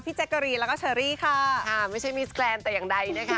แจ๊กกะรีนแล้วก็เชอรี่ค่ะค่ะไม่ใช่มิสแกรนดแต่อย่างใดนะคะ